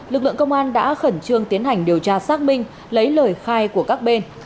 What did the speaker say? lực lượng công an đã khẩn trương tiến hành điều tra xác minh lấy lời khai của các bên